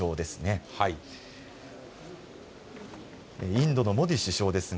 インドのモディ首相です。